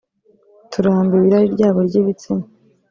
turambiwe irari ryabo ry’ibitsina